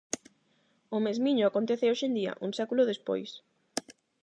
O mesmiño acontece hoxe en día, un século despois.